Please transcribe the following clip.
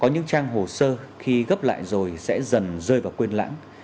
những trang hồ sơ khi gấp lại rồi sẽ dần rơi vào quên lãng